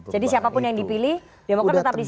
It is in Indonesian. jadi siapapun yang dipilih demokrasi tetap di situ